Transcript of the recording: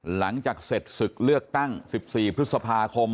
หลังจากเสร็จศึกเลือกตั้ง๑๔พฤษภาคม